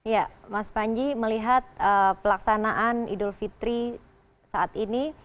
ya mas panji melihat pelaksanaan idul fitri saat ini